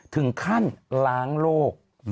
ถึงขั้นล้างโรค